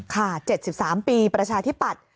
๗๓ปีประชาธิปัตย์